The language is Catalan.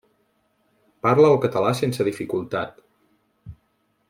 Parla el català sense dificultat.